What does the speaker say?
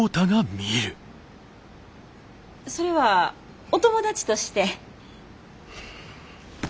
それはお友達として？